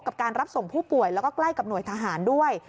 กับการรับส่งผู้ป่วยแล้วก็ใกล้กับหน่วยทหารด้วย